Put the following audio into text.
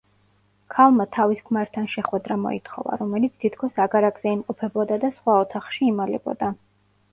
ქალმა თავის ქმართან შეხვედრა მოითხოვა, რომელიც თითქოს აგარაკზე იმყოფებოდა და სხვა ოთახში იმალებოდა.